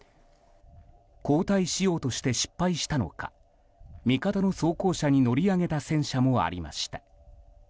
後退しようとして失敗したのか味方の装甲車に乗り上げた戦車もありました。